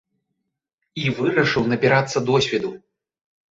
І вырашыў набірацца досведу.